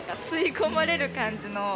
吸い込まれる感じの。